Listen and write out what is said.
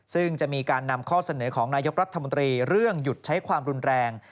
ซึ่งจะมีการนำข้อเสนอของนายกรัฐมนตรีเรื่องหยุดใช้ความรุนแรง